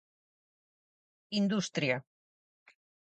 Industria.